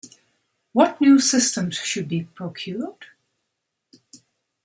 What new systems should be procured?